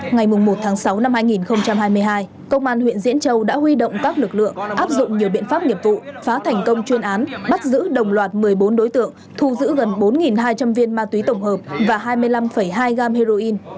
ngày một sáu hai nghìn hai mươi hai công an huyện diễn châu đã huy động các lực lượng áp dụng nhiều biện pháp nghiệp vụ phá thành công chuyên án bắt giữ đồng loạt một mươi bốn đối tượng thu giữ gần bốn hai trăm linh viên ma túy tổng hợp và hai mươi năm hai gam heroin